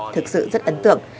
thực sự rất ấn tượng